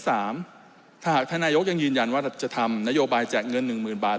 ถ้าหากท่านนายกยังยืนยันว่าจะทำนโยบายแจกเงิน๑๐๐๐บาท